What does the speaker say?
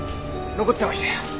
残ってましたよ